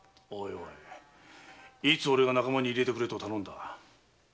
おいおいいつ俺が仲間に入れてくれと頼んだ？